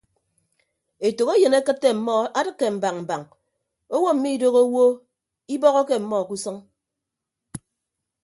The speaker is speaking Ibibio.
Etәkeyịn akịtte ọmmọ adịkke mbañ mbañ owo mmidooho owo ibọhọke ọmmọ ke usʌñ.